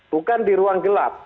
bukan di ruang gelap